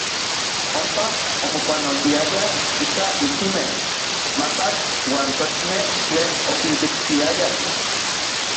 Onpa omopanoltiayaj ika michimej, masatl uan tochmej tlen okinkitskiayaj.